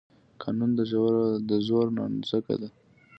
قانون د زور نانځکه ده.